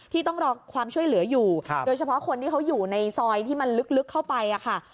ต้องรอความช่วยเหลืออยู่โดยเฉพาะคนที่เขาอยู่ในซอยที่มันลึกเข้าไปค่ะ